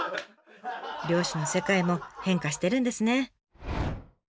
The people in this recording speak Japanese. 漁師の世界も変化してるんですね。